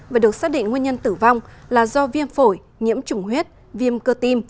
và được xác định nguyên nhân tử vong là do viêm phổi nhiễm trùng huyết viêm cơ tim